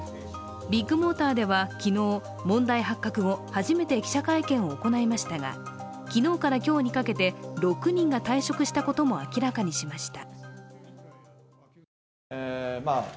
ビッグモーターでは昨日、問題発覚後初めて記者会見を行いましたが昨日から今日にかけて、６人が退職したことも明らかにしました。